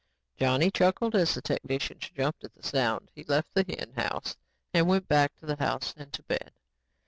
Johnny chuckled as the technicians jumped at the sound. He left the hen house, went back to the house and to bed.